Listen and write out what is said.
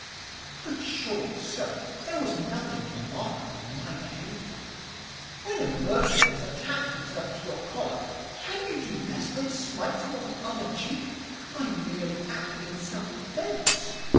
'But, surely, sir, there was nothing remarkable in my behaviour? When a merchant has attached himself to your collar, can you do less than smite him on the other cheek? I merely acted in self defence.